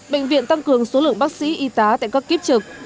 bệnh viện tăng cường số lượng bác sĩ y tá tại các kiếp trực